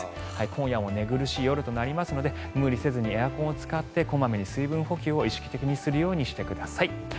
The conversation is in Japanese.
今夜も寝苦しい夜となりますので無理せずエアコンを使って水分補給を意識的にしてください。